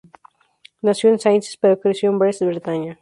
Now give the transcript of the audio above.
Nació en Saintes, pero creció en Brest, Bretaña.